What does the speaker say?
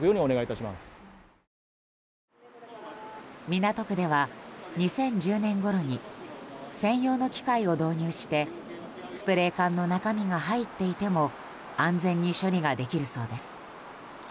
港区では２０１０年ごろに専用の機械を導入してスプレー缶の中身が入っていても安全に処理ができるそうです。